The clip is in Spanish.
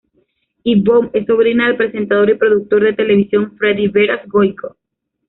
Ivonne es sobrina del presentador y productor de televisión Freddy Beras-Goico.